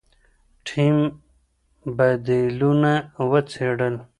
ټیم بدیلونه وڅېړل.